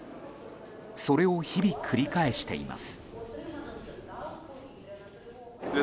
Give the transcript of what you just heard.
それを日々繰り返しています。